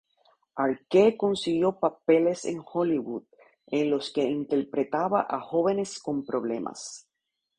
Arquette consiguió papeles en Hollywood, en los que interpretaba a jóvenes con problemas.